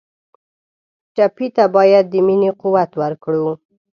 ټپي ته باید د مینې قوت ورکړو.